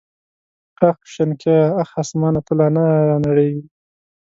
اخ شنکيه اخ اسمانه ته لا نه رانړېږې.